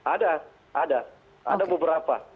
ada ada ada beberapa